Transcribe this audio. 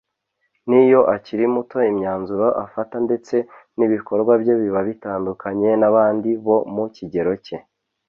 n’iyo akiri muto imyanzuro afata ndetse n’ibikorwa bye biba bitandukanye n’abandi bo mu kigero cye